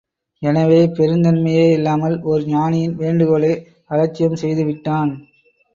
எனவே பெருந்தன்மையே இல்லாமல் ஓர் ஞானியின் வேண்டுகோளை அலட்சியம் செய்துவிட்டான்!